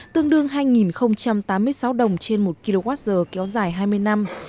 tương đương hai tám mươi sáu đồng trên một kwh kéo dài hai mươi năm